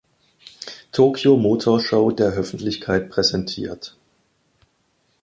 Tokyo Motor Show der Öffentlichkeit präsentiert.